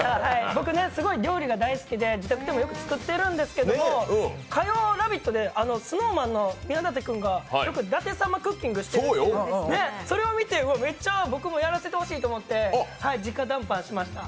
僕、すごい料理が大好きで自宅でもよく作っているんですけど火曜の「ラヴィット！」でＳｎｏｗＭａｎの岩館君がよく舘様クッキングしてるんですけど、それを見て、めっちゃ僕もやらせてもらいたいと思って直談判しました。